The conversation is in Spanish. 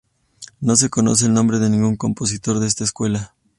No se conoce el nombre de ningún compositor de esta escuela.